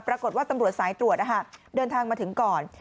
ปรากฏว่าตำรวจสายตรวจเดินทางมาถึงก่อน